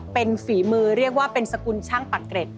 เป็นฝีมือเรียกว่าเป็นสกุลช่างปักเกร็ด